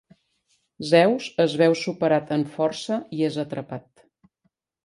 Zeus es veu superat en força i és atrapat.